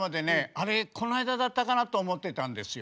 「あれこないだだったかな」と思ってたんですよ。